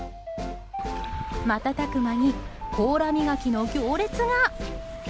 瞬く間に、甲羅磨きの行列が。